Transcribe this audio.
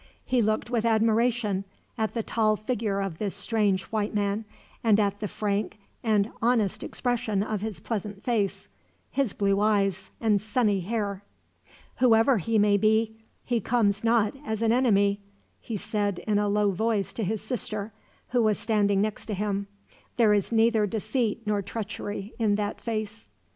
He looked with admiration at the tall figure of this strange white man, and at the frank and honest expression of his pleasant face, his blue eyes, and sunny hair. "Whoever he may be, he comes not as an enemy," he said in a low voice to his sister, who was standing next to him. "There is neither deceit nor treachery in that face."